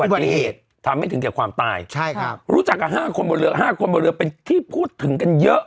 ปฏิเหตุทำให้ถึงแก่ความตายใช่ครับรู้จักกับห้าคนบนเรือห้าคนบนเรือเป็นที่พูดถึงกันเยอะ